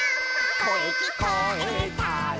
「こえきこえたら」